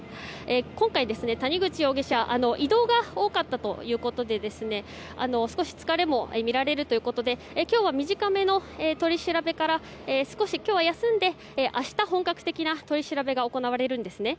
今回、谷口容疑者移動が多かったということで少し疲れもみられるということで今日は短めの取り調べから少し、今日は休んで明日、本格的な取り調べが行われるんですね。